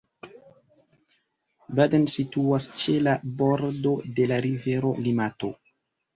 Baden situas ĉe la bordo de la rivero Limato.